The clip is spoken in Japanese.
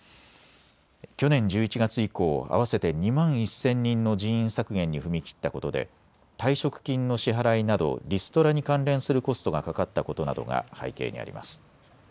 去年１１月以降、合わせて２万１０００人の人員削減に踏み切ったことで退職金の支払いなどリストラに関連するコストがかかったことなどが背景にあります。